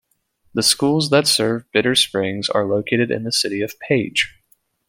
The schools that serve Bitter Springs are located in the city of Page.